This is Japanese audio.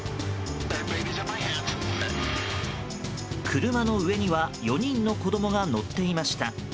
車の上には４人の子供が乗っていました。